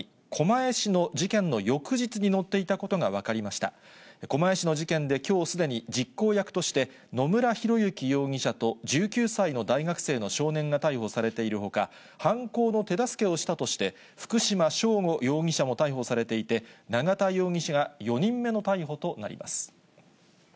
狛江市の事件で、きょう、すでに実行役として野村広之容疑者と１９歳の大学生の少年が逮捕されているほか、犯行の手助けをしたとして、福島聖悟容疑者も逮捕されていて、永田容疑者が４人目の逮捕となります。